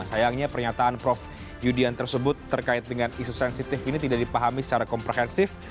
sayangnya pernyataan prof yudian tersebut terkait dengan isu sensitif ini tidak dipahami secara komprehensif